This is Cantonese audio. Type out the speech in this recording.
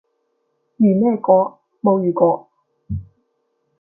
如咩果？冇如果